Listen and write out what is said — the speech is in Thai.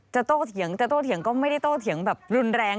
จะโตเถียงก็ไม่ได้โตเถียงแบบรุนแรง